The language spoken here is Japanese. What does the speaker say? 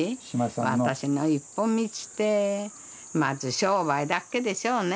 私の一本道ってまず商売だけでしょうね。